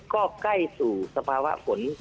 ก็ใกล้สู่สภาวะฝน